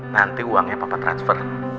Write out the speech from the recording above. nanti uangnya papa transfer